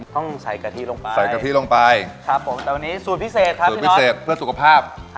ต้องใส่กะทิลงไปแต่วันนี้สูตรพิเศษครับพี่น้อยสูตรพิเศษเพื่อสุขภาพ